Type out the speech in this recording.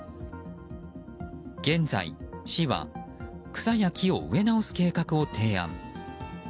現在、市は草や木を植え直す計画を提案。